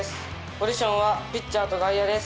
ポジションはピッチャーと外野です。